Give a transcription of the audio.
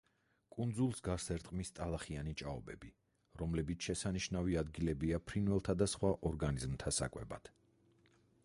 კუნძულს გარს ერტყმის ტალახიანი ჭაობები, რომლებიც შესანიშნავი ადგილებია ფრინველთა და სხვა ორგანიზმთა საკვებად.